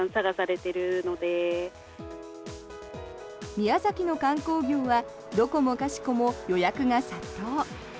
宮崎の観光業はどこもかしこも予約が殺到。